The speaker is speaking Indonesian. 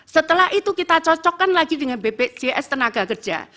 setelah itu kita cocokkan lagi dengan bpjs tenaga kerja